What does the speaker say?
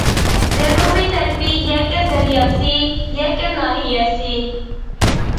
جەنۇبىي تەرىپى يەكەن دەرياسى، يەكەن ناھىيەسى.